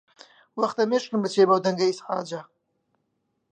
وەختە مێشکم بچێ بەو دەنگە ئیزعاجە.